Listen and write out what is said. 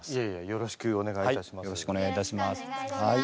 よろしくお願いします。